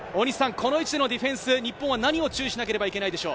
この位置でのディフェンス、日本は何を注意しなければいけないでしょう？